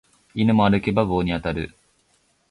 犬も歩けば棒に当たる